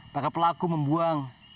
para pelaku membuang